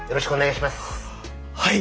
はい！